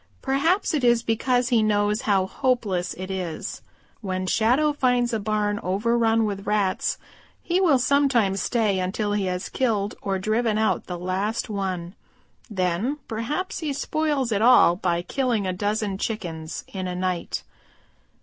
Perhaps it is because he knows how hopeless it is. When Shadow finds a barn overrun with Rats he will sometimes stay until he has killed or driven out the last one. Then perhaps he spoils it all by killing a dozen Chickens in a night.